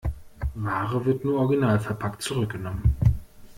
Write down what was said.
Ware wird nur originalverpackt zurückgenommen.